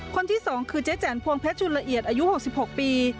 คนที่สองคือเจ๊แจ่นพวงแพทย์จุละเอียดอายุ๖๖ปี